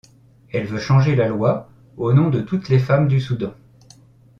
Elle veut changer la loi, au nom de toutes les femmes du Soudan.